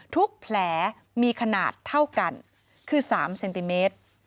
แผลมีขนาดเท่ากันคือ๓เซนติเมตร